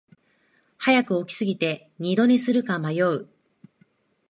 早く起きすぎて二度寝するか迷う